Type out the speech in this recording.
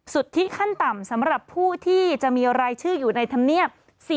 สุทธิขั้นต่ำสำหรับผู้ที่จะมีรายชื่ออยู่ในธรรมเนียบ